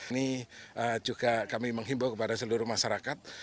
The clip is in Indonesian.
ini juga kami menghimbau kepada seluruh masyarakat